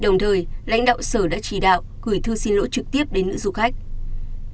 đồng thời lãnh đạo sở đã chỉ đạo gửi thư xin lỗi trực tiếp đến nữ du khách